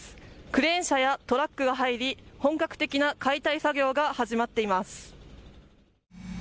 クレーン車やトラックが入り本格的な解体作業が始まっています。